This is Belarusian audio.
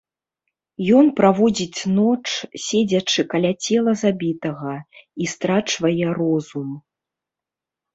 Ён праводзіць ноч, седзячы каля цела забітага, і страчвае розум.